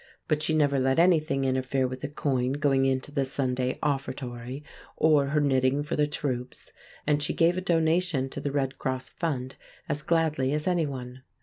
But she never let anything interfere with a coin going into the Sunday offertory, or her knitting for the troops; and she gave a donation to the Red Cross Fund as gladly as anyone.